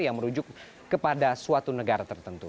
yang merujuk kepada suatu negara tertentu